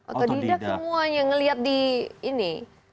otodidak semuanya ngelihat di ini